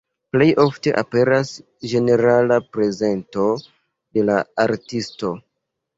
Plej ofte aperas ĝenerala prezento de la artisto.